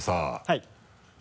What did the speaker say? はい。